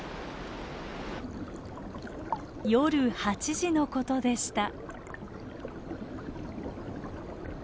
夜８時のことでした。